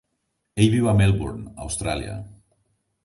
Ell viu a Melbourne, Austràlia.